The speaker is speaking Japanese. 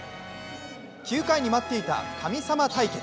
９回に待っていた神様対決。